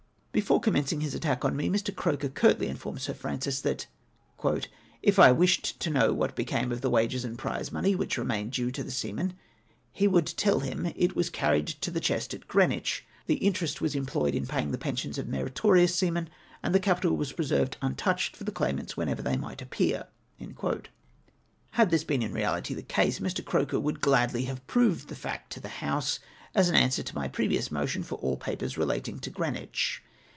'' Before commencmg his attack on me, ]\ir. Croker curtly informed Sir Francis that "if he wished to know what became of the wages and prize money which remained due to the seamen, he would tell limi. It was carried to the chest at Greenwich. The interest w^as employed in paying the pensions of meritorious seamen, and the capital was preserved untouched for the claimants wdienever they might appear." Had this been in reahty the case, Mr. Croker would (jlad.ly have proved the fact to the House, as an answer to my previous motion for all papers relating to Green wich.